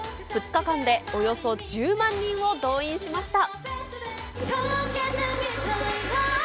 ２日間でおよそ１０万人を動員しました。